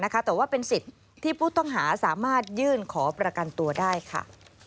แต่ว่าเป็นสิทธิ์ที่ผู้ต้องหาสามารถยื่นขอประกันตัวได้ค่ะ